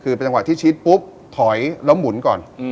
คือเป็นจังหวะที่ชิดปุ๊บถอยแล้วหมุนก่อน